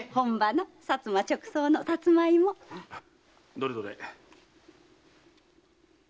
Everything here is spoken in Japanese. どれどれ。